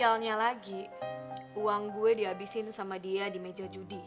detailnya lagi uang gue dihabisin sama dia di meja judi